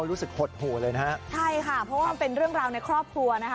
รู้สึกหดหู่เลยนะฮะใช่ค่ะเพราะว่ามันเป็นเรื่องราวในครอบครัวนะคะ